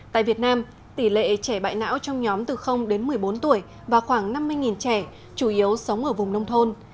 tại việt nam tỷ lệ trẻ bại não trong nhóm từ đến một mươi bốn tuổi và khoảng năm mươi trẻ chủ yếu sống ở vùng nông thôn